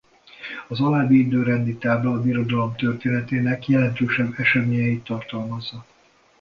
Az alábbi időrendi tábla a Birodalom történetének jelentősebb eseményeit tartalmazza.